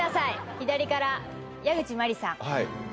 左から矢口真里さん